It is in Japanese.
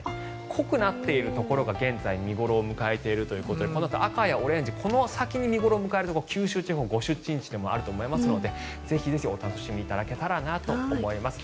濃くなっているところが現在、見頃を迎えているということでこのあと、赤やオレンジこの先に見頃を迎えるところ九州地方、ご出身地でもあると思いますのでお楽しみいただけたらなと思います。